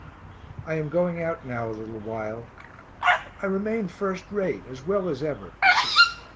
I am going out now a little while. I remain first rate, as well as ever.